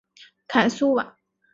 凯苏瓦。